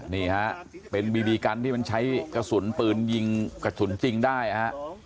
นี่ฮะเป็นบีบีกันที่มันใช้กระสุนปืนยิงกระสุนจริงได้ฮะ